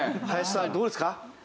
林さんどうですか？